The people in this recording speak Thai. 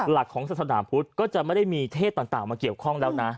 หลักของสนามพุทธก็จะไม่ได้มีเทศต่างมาเกี่ยวข้องแล้วนะ